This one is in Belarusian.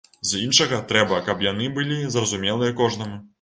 З іншага, трэба, каб яны былі зразумелыя кожнаму.